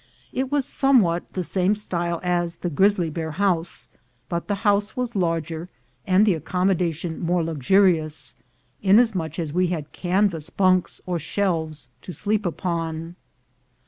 It was somewhat the same style of thing as the Grizzly Bear House, but the house was larger, and Uie accommodation more luxurious, inasmuch as we had canvas bunks or shelves to sleep upon.